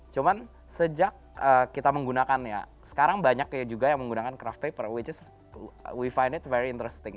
cuma sejak kita menggunakannya sekarang banyak juga yang menggunakan kraft paper which is we find it very interesting